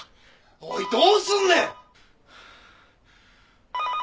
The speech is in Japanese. おいどうすんねん！